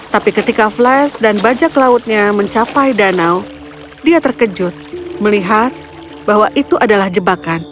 tapi ketika flash dan bajak lautnya mencapai danau dia terkejut melihat bahwa itu adalah jebakan